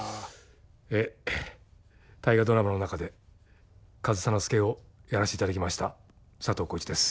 「大河ドラマ」の中で上総介をやらせていただきました佐藤浩市です。